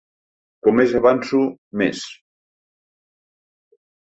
Com més avanço més.